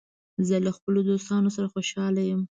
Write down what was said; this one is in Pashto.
زه له خپلو دوستانو سره خوشاله یم.